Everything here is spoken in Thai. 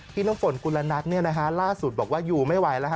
พี่น้ำฝนกุลนัทล่าสุดบอกว่าอยู่ไม่ไหวแล้ว